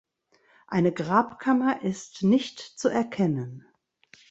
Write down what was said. Eine Grabkammer ist nicht zu erkennen.